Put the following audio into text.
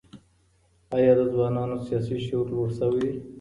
ایا د ځوانانو سیاسي شعور لوړ سوی دی؟